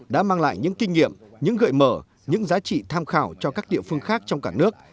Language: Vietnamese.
đã mang lại những kinh nghiệm những gợi mở những giá trị tham khảo cho các địa phương khác trong cả nước